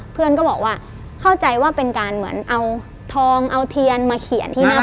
เพื่อนก็บอกว่าเข้าใจว่าเป็นการเหมือนเอาทองเอาเทียนมาเขียนที่หน้า